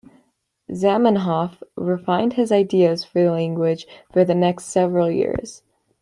Zamenhof refined his ideas for the language for the next several years.